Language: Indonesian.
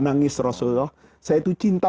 nangis rasulullah saya itu cinta